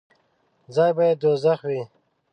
ځای به یې دوږخ وي.